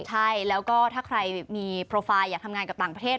ใช่แล้วก็ถ้าใครมีโปรไฟล์อยากทำงานกับต่างประเทศ